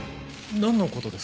何のことですか？